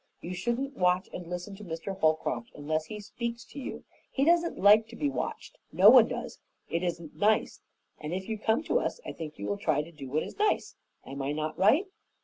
You shouldn't watch and listen to Mr. Holcroft unless he speaks to you. He doesn't like to be watched no one does. It isn't nice; and if you come to us, I think you will try to do what is nice. Am I not right?"